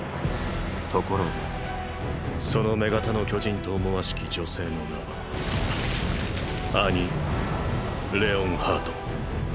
ところがその女型の巨人と思わしき女性の名はアニ・レオンハート。